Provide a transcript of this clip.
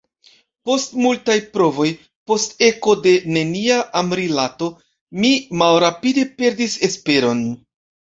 Post multaj provoj, post eko de nenia amrilato, mi malrapide perdis esperon.